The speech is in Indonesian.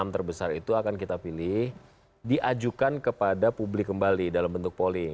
enam terbesar itu akan kita pilih diajukan kepada publik kembali dalam bentuk polling